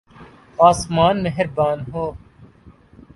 آسمان مہربان ہوں۔